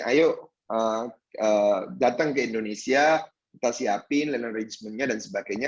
ayo datang ke indonesia kita siapin land arrangementnya dan sebagainya